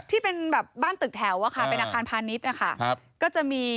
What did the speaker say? ที่เป็นแบบบ้านตึกแถวอะค่ะเป็นอาคารพาณิชย์นะคะก็จะมี